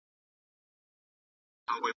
هندي ناروغانو منفي نښې کمې شوې.